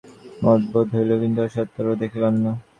তাঁহাকে একজন সাধারণ লোকের মত বোধ হইল, কিছু অসাধারণত্ব দেখিলাম না।